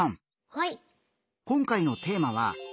はい。